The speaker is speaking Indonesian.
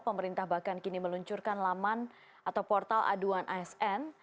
pemerintah bahkan kini meluncurkan laman atau portal aduan asn